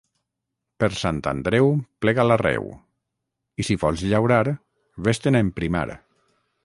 Per Sant Andreu plega l'arreu; i, si vols llaurar, ves-te'n a emprimar.